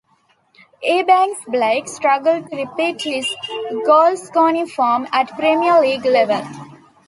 Ebanks-Blake struggled to repeat his goalscoring form at Premier League level.